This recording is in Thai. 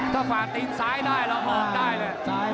ถ้าฝ่าตีนซ้ายได้เราออกได้เลย